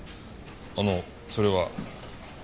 あのそれは。